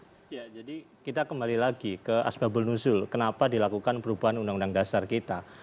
ya jadi kita kembali lagi ke asbabul nuzul kenapa dilakukan perubahan undang undang dasar kita